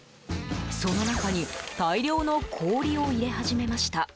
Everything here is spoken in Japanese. その中に大量の氷を入れ始めました。